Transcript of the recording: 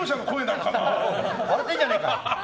笑ってんじゃねえか！